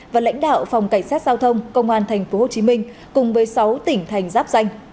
và lãnh đạo phòng cảnh sát giao thông công an tp hcm cùng với sáu tỉnh thành giáp danh